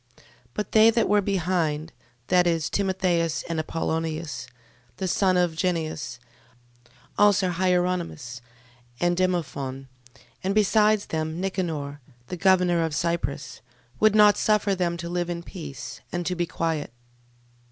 12:2. But they that were behind, viz. Timotheus, and Apollonius, the son of Genneus, also Hieronymus, and Demophon, and besides them Nicanor, the governor of Cyprus, would not suffer them to live in peace, and to be quiet.